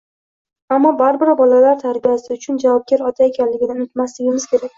Ammo baribir bolalar tarbiyasi uchun javobgar ota ekanini unumasligimiz kerak